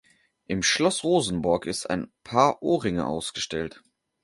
Im Schloss Rosenborg ist ein Paar Ohrringe ausgestellt.